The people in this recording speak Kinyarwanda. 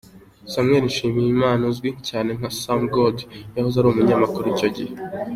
Samuel Nshimiyimana, uzwi cyane nka Sam Gody, yahoze ari umunyamakuru icyo gihe.